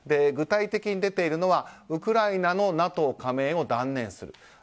具体的に出ているのはウクライナのＮＡＴＯ加盟を断念すると。